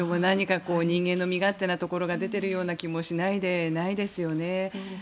これも何か人間の身勝手なところが出ているような気もしないでないですよね。